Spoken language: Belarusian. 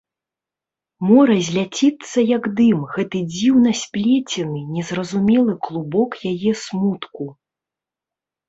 Мо разляціцца, як дым, гэты дзіўна сплецены, незразумелы клубок яе смутку?